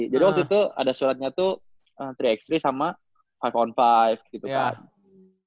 jadi waktu itu ada suratnya tuh tiga ax tiga sama lima on lima gitu kan